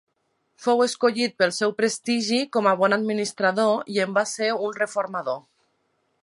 Fou escollit pel seu prestigi com a bon administrador i en va ser un reformador.